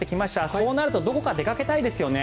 そうなるとどこか出かけたいですよね。